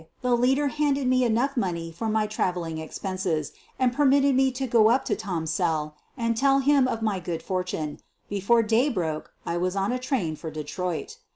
The leader handed me enough money for my traveling expenses and permitted me to go up to Tom's cell and tell him of my good fortune. Before day broke I was on a train for Detroit.